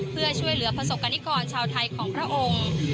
เพื่อช่วยเหลือประสบกรณิกรชาวไทยของพระองค์